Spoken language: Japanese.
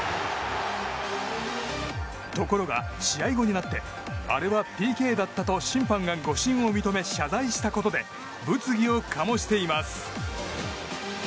ところが、試合後になってあれはＰＫだったと審判が誤審を認め謝罪したことで物議を醸しています。